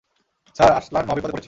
Sir, Arsalan মহাবিপদে পড়েছে।